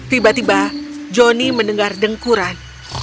tiba tiba joni mendengar dengkuran